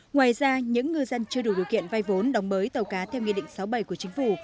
ngoài ra những ngư dân chưa đủ điều kiện vay vốn đóng mới tàu cá theo nghị định sáu mươi bảy của chính phủ